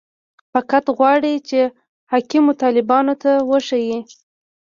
فقط غواړي چې حاکمو طالبانو ته وښيي.